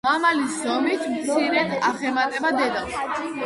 მამალი ზომით მცირედ აღემატება დედალს.